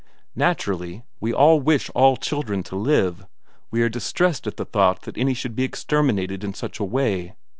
Naturally, we all wish all children to live; we are distressed at the thought that any should be exterminated in such a way.